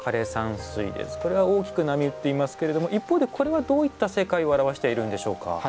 これは大きく波打っていますけれども一方でこれはどういった世界を表しているんでしょうか？